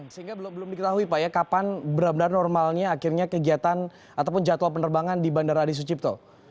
sehingga belum diketahui pak ya kapan benar benar normalnya akhirnya kegiatan ataupun jadwal penerbangan di bandara adi sucipto